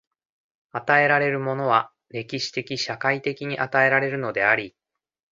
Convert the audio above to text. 与えられるものは歴史的・社会的に与えられるのであり、